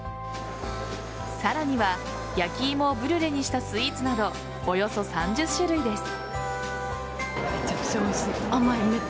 さらには焼き芋をブリュレにしたスイーツなどおよそ３０種類です。